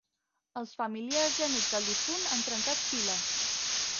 Els familiars i amics del difunt han trencat files.